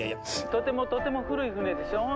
とてもとても古い船でしょう。